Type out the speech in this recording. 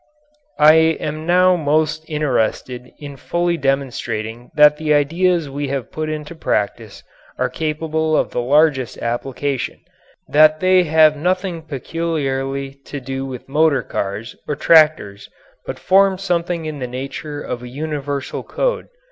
I am now most interested in fully demonstrating that the ideas we have put into practice are capable of the largest application that they have nothing peculiarly to do with motor cars or tractors but form something in the nature of a universal code.